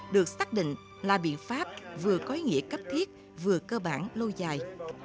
được xác định là biện pháp vừa có ý nghĩa cấp thiết vừa cơ bản lâu dài